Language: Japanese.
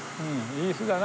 いい巣だな。